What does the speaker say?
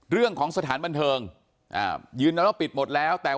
เรื่องของสถานบันเทิงยืนแล้วปิดหมดแล้ว